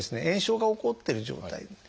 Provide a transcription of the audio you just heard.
炎症が起こってる状態。